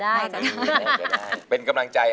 กับเพลงที่๑ของเรา